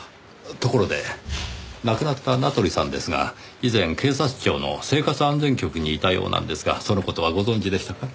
ところで亡くなった名取さんですが以前警察庁の生活安全局にいたようなんですがその事はご存じでしたか？